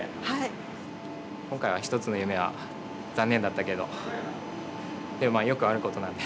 今回は一つの夢は残念だったけどでもよくある事なんで。